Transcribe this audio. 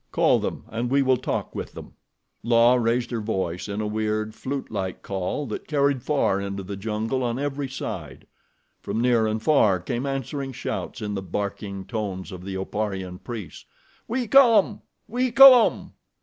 Call them and we will talk with them." La raised her voice in a weird, flutelike call that carried far into the jungle on every side. From near and far came answering shouts in the barking tones of the Oparian priests: "We come! We come!"